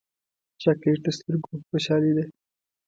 چاکلېټ د سترګو خوشحالي ده.